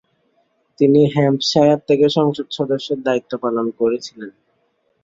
তিনি হ্যাম্পশায়ার থেকে সংসদ সদস্যের দায়িত্ব পালন করেছিলেন।